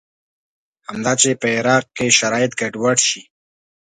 همدا چې په عراق کې شرایط ګډوډ شي.